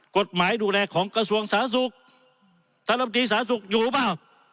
กฎหมายดูแลของกระทรวงสาศุกร์ธรรมดีสาศุกร์อยู่หรือเปล่า